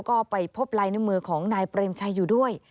ก็ไปพบลายนิ้วมือของนายเปรมชัยอยู่ด้วย